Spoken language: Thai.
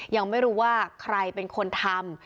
ยังไม่รู้ว่าใครเป็นคนทำ